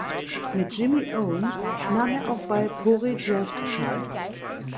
Mit Jimmy Owens nahm er auch bei Pori Jazz teil.